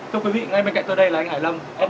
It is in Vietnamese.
thưa quý vị ngay bên cạnh tôi đây là anh hải lâm